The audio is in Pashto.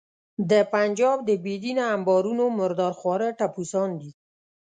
د پنجاب د بې دینه امبارونو مردار خواره ټپوسان دي.